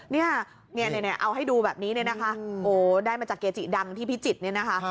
นี่เอาให้ดูแบบนี้ได้มาจากเกจิดังที่พิจิตร